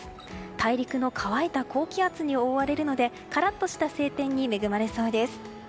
大陸の乾いた高気圧に覆われるのでカラッとした晴天に恵まれそうです。